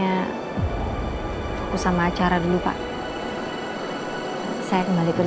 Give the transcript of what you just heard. apa nanti kamu mau ceritain al mens auswarto sister